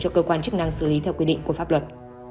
cho cơ quan chức năng xử lý theo quy định của pháp luật